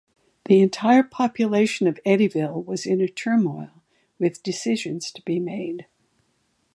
The entire population of Eddyville was in a turmoil with decisions to be made.